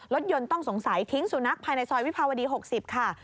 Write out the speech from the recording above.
รถยนต์ต้องสงสัยทิ้งสุนัขภายในซอยวิภาวดี๖๐ค่ะ